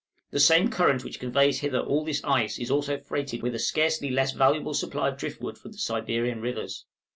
The same current which conveys hither all this ice is also freighted with a scarcely less valuable supply of driftwood from the Siberian rivers.